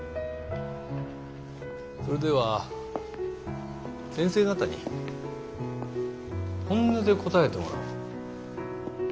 それでは先生方に本音で答えてもらおう。